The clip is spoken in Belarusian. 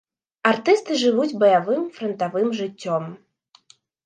Артысты жывуць баявым франтавым жыццём.